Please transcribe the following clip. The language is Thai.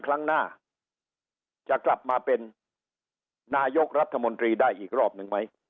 ครั้งหน้าจะกลับมาเป็นนายกรัฐมนตรีได้อีกรอบหนึ่งไหม